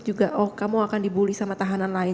juga oh kamu akan dibully sama tahanan lain